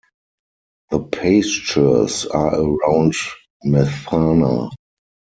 The pastures are around Methana.